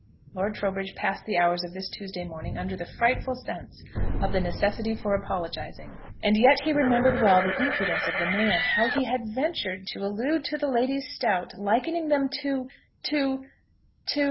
Lord Trowbridge passed the hours of this Tuesday morning under the frightful sense of the necessity for apologising; and yet he remembered well the impudence of the man, how he had ventured to allude to the Ladies Stowte, likening them to to to